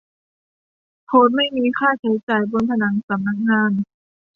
โพสต์ไม่มีค่าใช้จ่ายบนผนังสำนักงาน